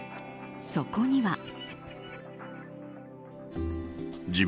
そこには。